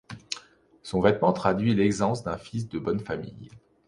Son vêtement traduit l'aisance d'un fils de bonne famille.